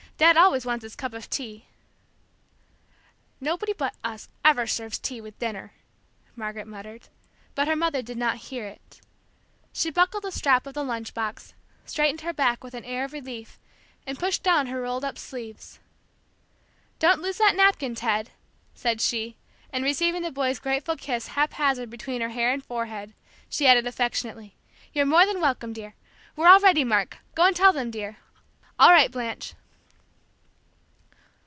Dad always wants his cup of tea." "Nobody but us ever serves tea with dinner!" Margaret muttered; but her mother did not hear it. She buckled the strap of the lunch box, straightened her back with an air of relief, and pushed down her rolled up sleeves. "Don't lose that napkin, Ted," said she, and receiving the boy's grateful kiss haphazard between her hair and forehead, she added affectionately: "You're more than welcome, dear! We're all ready, Mark, go and tell them, dear! All right, Blanche."